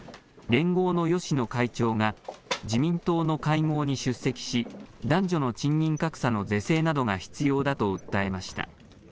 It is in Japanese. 連合の芳野会長が自民党の会合に出席し、男女の賃金格差の是正などが必要だと訴えました。